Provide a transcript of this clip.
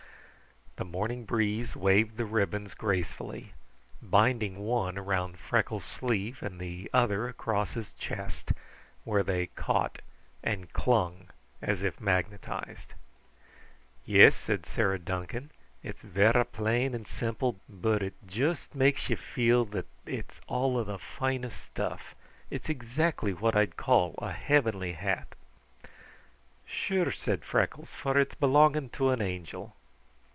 The morning breeze waved the ribbons gracefully, binding one around Freckles' sleeve and the other across his chest, where they caught and clung as if magnetized. "Yes," said Sarah Duncan. "It's verra plain and simple, but it juist makes ye feel that it's all of the finest stuff. It's exactly what I'd call a heavenly hat." "Sure," said Freckles, "for it's belonging to an Angel!"